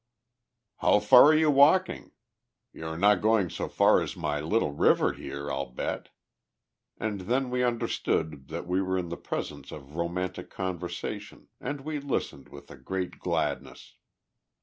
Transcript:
"How far are you walking? you are not going so far as my little river here, I'll bet " And then we understood that we were in the presence of romantic conversation, and we listened with a great gladness.